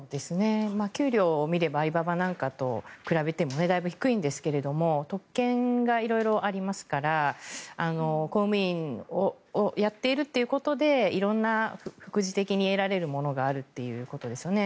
給料を見ればアリババなんかと比べてもだいぶ低いんですが特権が色々ありますから公務員をやっているということで色んな副次的に得られるものがあるということですよね。